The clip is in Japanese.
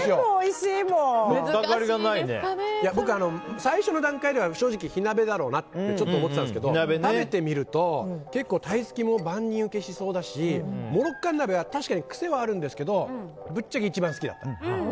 最初の段階では正直、火鍋だろうなってちょっと思ってたんですけど食べてみると結構、タイスキも万人受けしそうだしモロッカン鍋は確かに癖はあるんですけどぶっちゃけ一番好きだった。